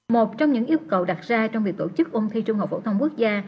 một trong những yêu cầu đặt ra trong việc tổ chức ôn thi trung học phổ thông quốc gia